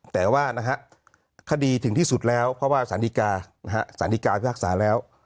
แต่ว่าคดีถึงที่สุดแล้วเพราะว่าสารดีกาพิพากษาแล้ว